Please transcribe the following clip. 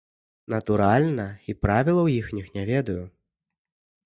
Натуральна, і правілаў іхніх не ведаю.